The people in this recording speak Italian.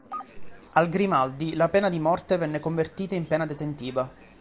Al Grimaldi la pena di morte venne convertita in pena detentiva.